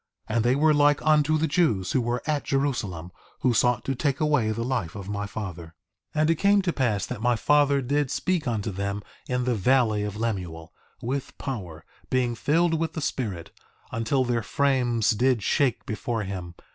And they were like unto the Jews who were at Jerusalem, who sought to take away the life of my father. 2:14 And it came to pass that my father did speak unto them in the valley of Lemuel, with power, being filled with the Spirit, until their frames did shake before him.